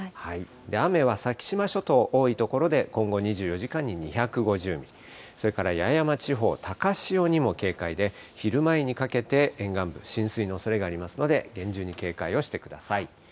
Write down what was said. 雨は先島諸島、多い所で今後２４時間に２５０ミリ、それから八重山地方、高潮にも警戒で、昼前にかけて沿岸部、浸水のおそれがありますので、厳重に警戒をしてください。